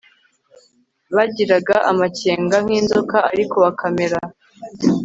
bagiraga amakenga nk inzoka ariko bakamera